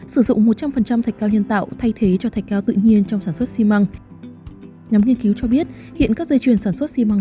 sử dụng một trăm linh thạch cao nhân tạo thay thế cho thạch cao tự nhiên trong sản xuất xi măng